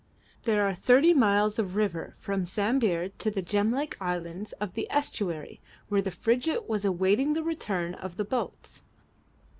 There are thirty miles of river from Sambir to the gem like islands of the estuary where the frigate was awaiting the return of the boats.